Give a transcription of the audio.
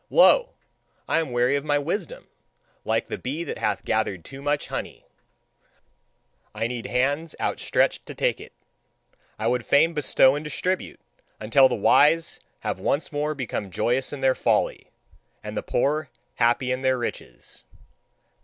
Lo! I am weary of my wisdom, like the bee that hath gathered too much honey; I need hands outstretched to take it. I would fain bestow and distribute, until the wise have once more become joyous in their folly, and the poor happy in their riches.